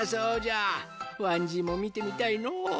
わんじいもみてみたいのう。